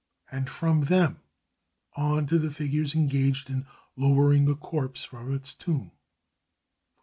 And from them on to the figures engaged in lowering a corpse from its tomb.